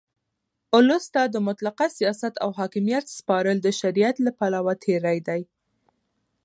اولس ته د مطلقه سیاست او حاکمیت سپارل د شریعت له پلوه تېرى دئ.